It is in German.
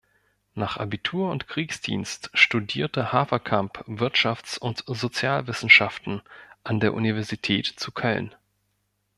Nach Abitur und Kriegsdienst studierte Haferkamp Wirtschafts- und Sozialwissenschaften an der Universität zu Köln.